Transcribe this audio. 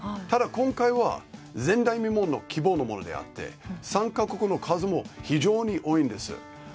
ただ今回は前代未聞の規模のものであって参加国の数も非常に多いんです。